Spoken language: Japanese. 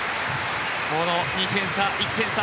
この２点差、１点差